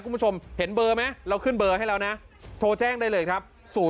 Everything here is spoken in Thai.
คุณผู้ชมเห็นเบอร์ไหมเราขึ้นเบอร์ให้แล้วนะโทรแจ้งได้เลยครับ